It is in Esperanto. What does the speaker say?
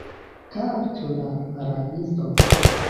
Kaptu la rabiston!